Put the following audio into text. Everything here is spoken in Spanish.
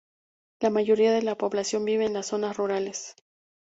La mayoría de la población vive en las zonas rurales.